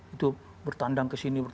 itu bertandang ke sini